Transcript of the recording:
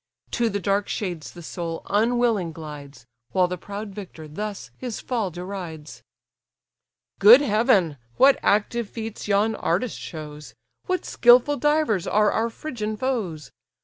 To the dark shades the soul unwilling glides, While the proud victor thus his fall derides. "Good heaven! what active feats yon artist shows! What skilful divers are our Phrygian foes!